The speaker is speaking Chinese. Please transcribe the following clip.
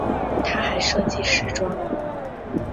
她还设计时装。